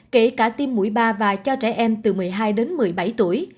kể cả tiêm mũi ba và cho trẻ em từ một mươi hai đến một mươi bảy tuổi